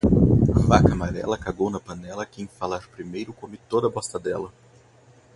Vaca amarela cagou na panela quem falar primeiro come toda bosta dela.